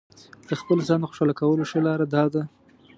د خپل ځان د خوشاله کولو ښه لاره داده.